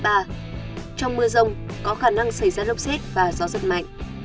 trong mưa rông có khả năng xảy ra lốc xét và gió rất mạnh